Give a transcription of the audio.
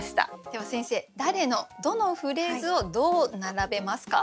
では先生誰のどのフレーズをどう並べますか？